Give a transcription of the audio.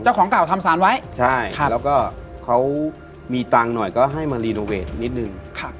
เจ้าของเก่าทำสารไว้ใช่แล้วก็เขามีตังค์หน่อยก็ให้มารีโนเวทนิดนึง